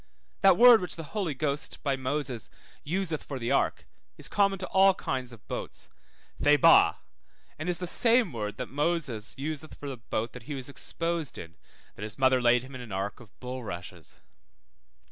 66 Gen. 6:14. That word which the Holy Ghost, by Moses, useth for the ark, is common to all kind of boats, thebah; and is the same word that Moses useth for the boat that he was exposed in, that his mother laid him in an ark of bulrushes.